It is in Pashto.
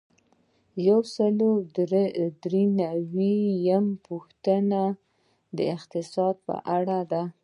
یو سل او درې نوي یمه پوښتنه د اقتصاد په اړه ده.